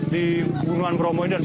di gunung bromo